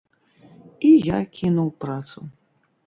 І я кінуў працу.